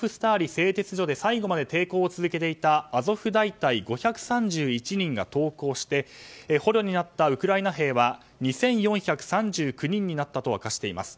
製鉄所で最後まで抵抗を続けていたアゾフ大隊の５３１人が投降して捕虜になったウクライナ兵は２４３９人になったと明かしています。